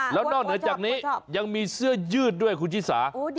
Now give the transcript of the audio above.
แล้วนอกเหนือจากนี้ยังมีเสื้อยืดด้วยคุณชิสา